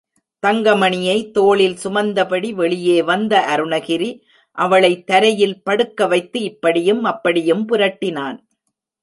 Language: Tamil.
தங்கமணியை தோளில் சுமந்தபடி வெளியே வந்த அருணகிரி அவளை தரையில் படுக்க வைத்து இப்படியும் அப்படியும் புரட்டினான்.